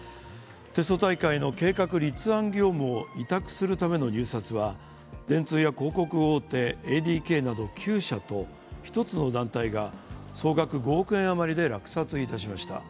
テスト大会の計画立案業務を委託するための入札は、電通や広告大手ＡＤＫなど９社と１つの団体が総額５億円余りで落札いたしました。